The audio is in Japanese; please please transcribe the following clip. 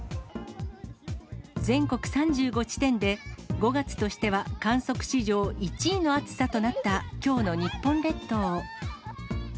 全国３５地点で、５月としては観測史上１位の暑さとなったきょうの日本列島。